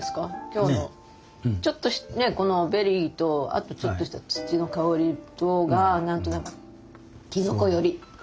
今日のちょっとこのベリーとあとちょっとした土の香りとが何となくきのこ寄り。